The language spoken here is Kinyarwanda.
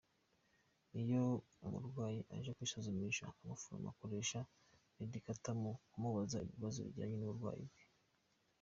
Iyo umurwayi aje kwisuzumisha, umuforomo akoresha Medikta mu kumubaza ibibazo bijyanye n’uburwayi bwe.